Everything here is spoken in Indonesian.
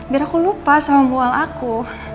biar aku lupa sama mual aku